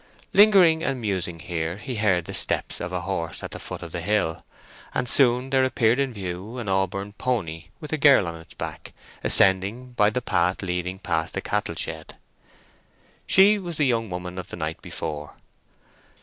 Lingering and musing here, he heard the steps of a horse at the foot of the hill, and soon there appeared in view an auburn pony with a girl on its back, ascending by the path leading past the cattle shed. She was the young woman of the night before.